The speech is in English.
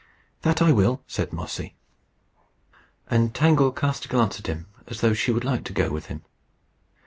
"That I will," said Mossy. And Tangle cast a glance at him, and thought she should like to go with him.